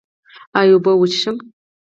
ایا اوبه څښئ؟